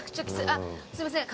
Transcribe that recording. あっすいません